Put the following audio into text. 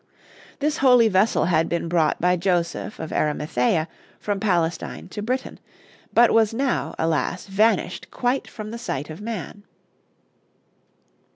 This holy vessel had been brought by Joseph of Arimathea from Palestine to Britain, but was now, alas, vanished quite from the sight of man.